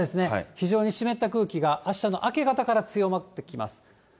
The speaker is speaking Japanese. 非常に湿った空気が、あしたの明け方から強まってきます。